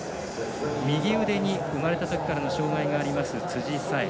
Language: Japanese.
右腕に生まれたときからの障がいがあります辻沙絵。